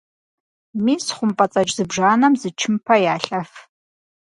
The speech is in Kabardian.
Мис хъумпӏэцӏэдж зыбжанэм зы чымпэ ялъэф.